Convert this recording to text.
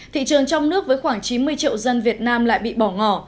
thị trường trong nước với khoảng chín mươi triệu dân việt nam lại bị bỏ ngỏ